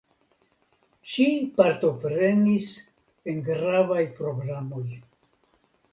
Ŝi partoprenis en gravaj programoj.